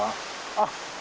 あっ！